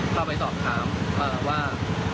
เข้าไปสอบถามว่า